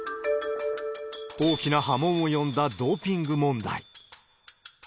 大きな波紋を呼んだドーピング問題。